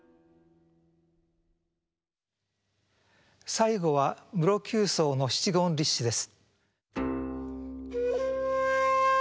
最後は室鳩巣の七言律詩です。